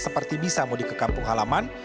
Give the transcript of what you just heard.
seperti bisa mau di kekampung halaman